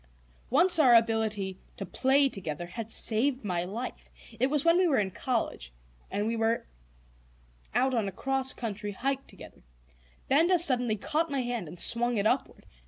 Once our ability to "play together" had saved my life. It was when we were in college and were out on a cross country hike together; Benda suddenly caught my hand and swung it upward.